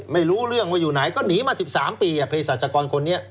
ไม่รู้เรื่องว่าอยู่ไหนก็หนีมา๑๓ปีเพศรัชกรคนนี้